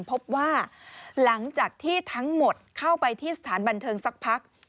พบว่าหลังจากที่ทั้งหมดเข้าไปที่สถานบันเทิงสักพัก